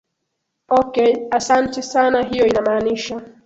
okay asanti sana hiyo inamaanisha